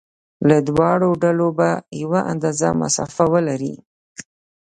له دواړو ډلو په یوه اندازه مسافه ولري.